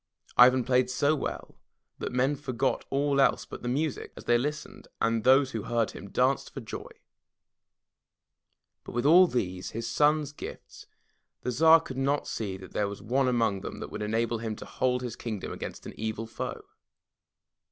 Ivan played so well that men forgot all else but the music as they listened, and those who heard him danced for joy. But with all these, his son*s gifts, the Tsar could not see that there was one among them that would enable him to hold his kingdom against an evil foe.